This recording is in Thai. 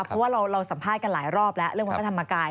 เพราะว่าเราสัมภาษณ์กันหลายรอบแล้วเรื่องวัดพระธรรมกาย